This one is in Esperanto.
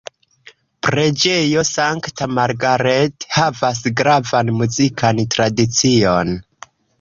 Preĝejo Sankta Margaret havas gravan muzikan tradicion.